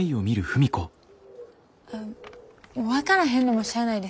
あ分からへんのもしゃあないです。